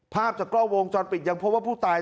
ภาพจากกล้องวงจรปิดยังพบว่าผู้ตาย